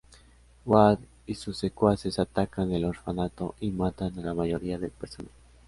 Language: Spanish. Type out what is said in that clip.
Wade y sus secuaces atacan el orfanato y matan a la mayoría del personal.